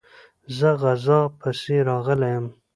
زه غزا پسي راغلی یم.